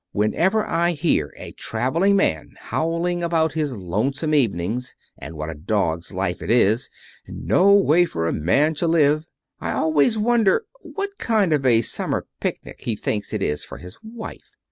Whenever I hear a traveling man howling about his lonesome evenings, and what a dog's life it is, and no way for a man to live, I always wonder what kind of a summer picnic he thinks it is for his wife.